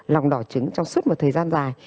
lòng đỏ trứng trong suốt một thời gian dài